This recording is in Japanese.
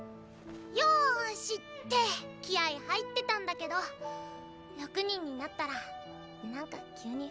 「よし！」って気合い入ってたんだけど６人になったら何か急に不安になった。